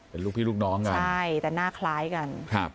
เป็นลูกพี่ลูกน้องกันใช่แต่หน้าคล้ายกันครับ